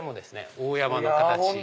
大山の形。